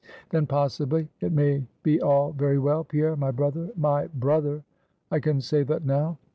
"Then, possibly, it may be all very well, Pierre, my brother my brother I can say that now?"